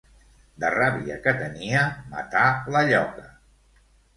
De ràbia que tenia, matà la lloca.